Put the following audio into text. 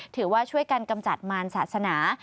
ถือว่าช่วยกันกำจัดมารศาสนา